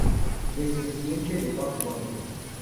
Descendiente de Bugs Bunny.